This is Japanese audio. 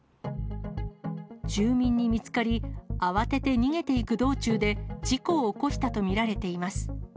住民に見つかり、慌てて逃げていく道中で事故を起こしたと見られています。